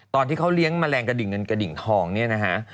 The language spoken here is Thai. ตอนที่เขาเลี้ยงแมลงกระดิ่งเงินกระดิ่งทองเนี่ยนะฮะ